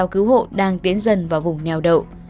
cứu hộ đang tiến dần vào vùng nheo đậu